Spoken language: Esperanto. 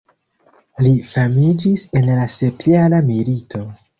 Li famiĝis en la sepjara milito.